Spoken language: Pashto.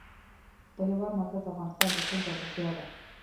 د هېواد مرکز د افغانستان د اقلیم ځانګړتیا ده.